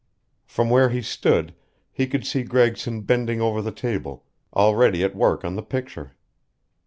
From where he stood he could see Gregson bending over the table, already at work on the picture.